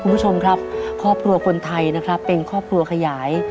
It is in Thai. คุณผู้ชมครับครอบครัวคนไทยนะครับเป็นครอบครัวขยาย